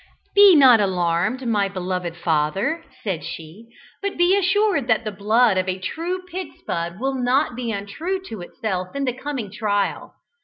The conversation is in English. "Be not alarmed, my beloved father," said she, "but be assured that the blood of a true Pigspud will not be untrue to itself in the coming trial.